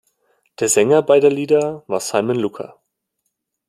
Der Sänger beider Lieder war "Simon Luca".